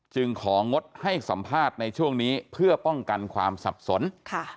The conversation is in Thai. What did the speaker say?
ของงดให้สัมภาษณ์ในช่วงนี้เพื่อป้องกันความสับสนค่ะ